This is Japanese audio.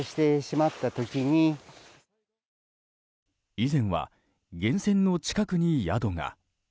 以前は源泉の近くに宿が。